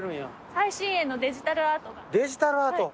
最新鋭のデジタルアートが。